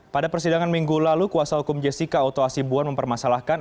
pada persidangan minggu lalu kuasa hukum jessica oto asibuan mempermasalahkan